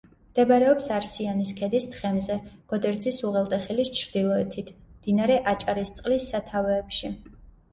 მდებარეობს არსიანის ქედის თხემზე, გოდერძის უღელტეხილის ჩრდილოეთით, მდინარე აჭარისწყლის სათავეებში.